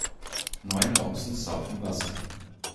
Neun Ochsen saufen Wasser.